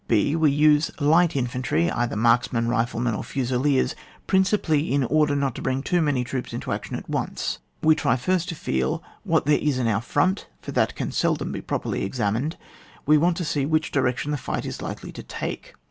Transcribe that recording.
(5.) We next use light infantry — either marksmen, riflemen, or frisiliers — prin cipally in order not to bring too many troops into action at once ; we try first to feel what there is in our front (for that can seldom be properly examined) we want to see which direction the fight is likely to take.